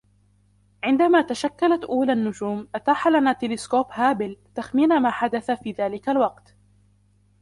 عندما تشكلت أولى النجوم أتاح لنا تلسكوب هابل تخمين ماحدث في ذلك الوقت